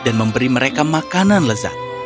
dan memberi mereka makanan lezat